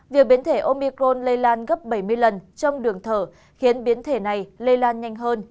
việc biến thể omicron lây lan gấp bảy mươi lần trong đường thở khiến biến thể này lây lan nhanh hơn